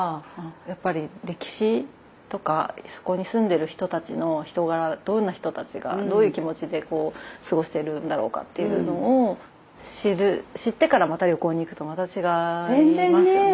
やっぱり歴史とかそこに住んでる人たちの人柄どんな人たちがどういう気持ちで過ごしてるんだろうかっていうのを知る知ってからまた旅行に行くとまた違いますよね。